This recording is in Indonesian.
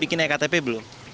bikin iktp belum